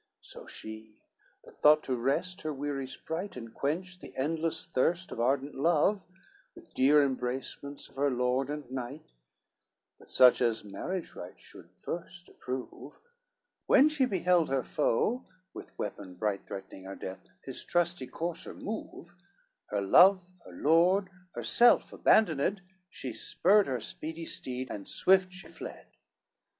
CX So she, that thought to rest her weary sprite, And quench the endless thirst of ardent love With dear embracements of her lord and knight, But such as marriage rites should first approve, When she beheld her foe, with weapon bright Threatening her death, his trusty courser move, Her love, her lord, herself abandoned, She spurred her speedy steed, and swift she fled.